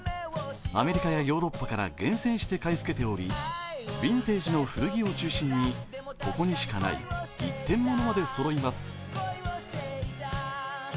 アメリカやヨーロッパから厳選して買い付けており、ビンテージの古着を中心に、ここにしかない一点ものまでそろいます。